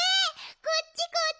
こっちこっち！